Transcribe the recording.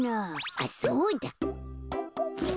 あっそうだ！